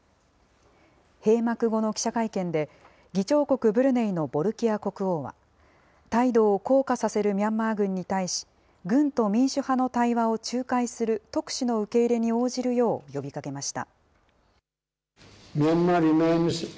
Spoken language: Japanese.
閉幕後の記者会見で、議長国ブルネイのボルキア国王は、態度を硬化させるミャンマー軍に対し、軍と民主派の対話を仲介する特使の受け入れに応じるよう呼びかけました。